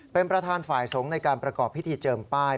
เป็นประธานฝ่ายสงฆ์ในการประกอบพิธีเจิมป้าย